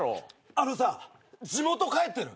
あのさ地元帰ってる？